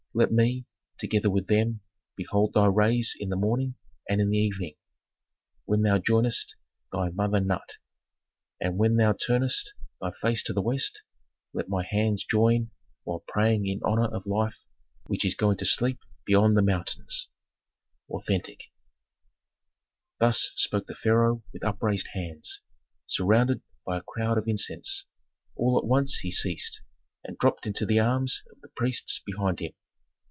Let me, together with them, behold thy rays in the morning, and in the evening, when thou joinest thy mother Nut. And when thou turnest thy face to the West let my hands join while praying in honor of life, which is going to sleep beyond the mountains." Authentic. Thus spoke the pharaoh with upraised hands, surrounded by a cloud of incense. All at once he ceased, and dropped into the arms of the priests behind him.